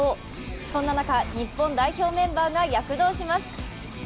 そんな中、日本代表のメンバーが躍動します。